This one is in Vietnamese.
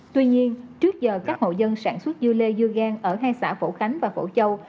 tuy nhiên trước giờ các hộ dân sản xuất dưa lê dư gang ở hai xã phổ khánh và phổ châu